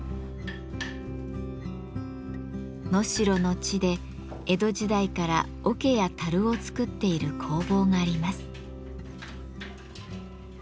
能代の地で江戸時代から桶や樽を作っている工房があります。